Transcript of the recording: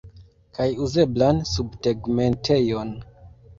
Kaj uzeblan subtegmentejon.